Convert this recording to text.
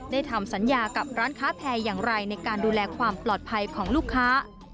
ทำสัญญากับร้านค้าแพร่อย่างไรในการดูแลความปลอดภัยของลูกค้า